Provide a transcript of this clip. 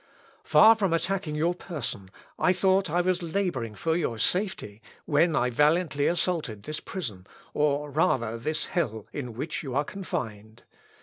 Far from attacking your person, I thought I was labouring for your safety, when I valiantly assaulted this prison, or rather this hell in which you are confined.